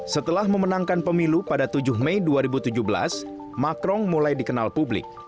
setelah memenangkan pemilu pada tujuh mei dua ribu tujuh belas macron mulai dikenal publik